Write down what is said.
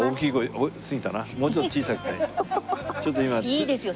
ちょっと今。